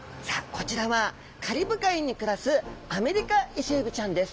こちらはカリブ海に暮らすアメリカイセエビちゃんです！